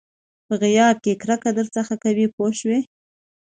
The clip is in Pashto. په غیاب کې کرکه درڅخه کوي پوه شوې!.